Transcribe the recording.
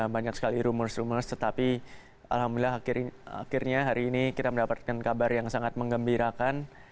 banyak sekali rumus rumus tetapi alhamdulillah akhirnya hari ini kita mendapatkan kabar yang sangat mengembirakan